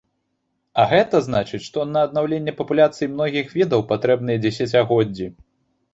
А гэта значыць, што на аднаўленне папуляцый многіх відаў патрэбныя дзесяцігоддзі.